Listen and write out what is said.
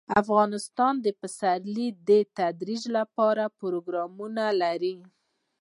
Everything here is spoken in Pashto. افغانستان د پسرلی د ترویج لپاره پروګرامونه لري.